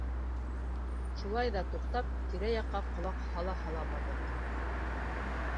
Шулай ҙа туҡтап, тирә-яҡҡа ҡолаҡ һала-һала барҙыҡ.